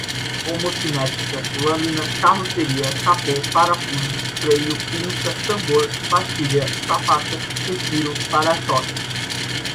homocinética, lâmina, carroceria, capô, parafuso, freio, pinça, tambor, pastilha, sapata, respiro, pára-choque